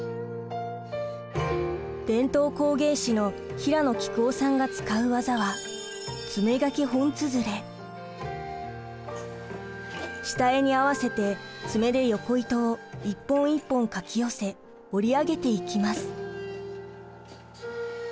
伝統工芸士の平野喜久夫さんが使う技は下絵に合わせて爪で横糸を一本一本かき寄せ織り上げていきます。